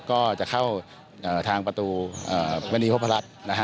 ก็จะเข้าทางประตูบรรณีพระพระรัชน์